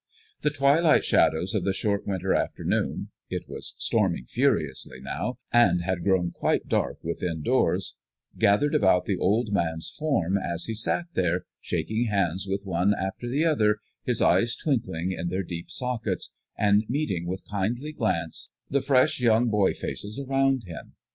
The twilight shadows of the short winter afternoon it was storming furiously now, and had grown quite dark within doors gathered about the old man's form as he sat there shaking hands with one after the other, his eyes twinkling in their deep sockets, and meeting with kindly glance the fresh young boy faces around him.